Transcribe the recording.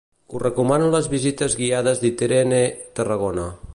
Us recomano les visites guiades d'Itinere Tarragona.